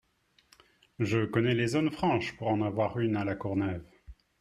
Je connais les zones franches pour en avoir une à La Courneuve.